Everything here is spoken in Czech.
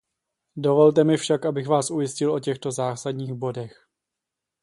Dovolte mi však, abych vás ujistil o těchto zásadních bodech.